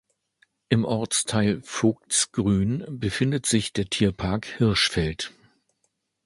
Im Ortsteil Voigtsgrün befindet sich der Tierpark Hirschfeld.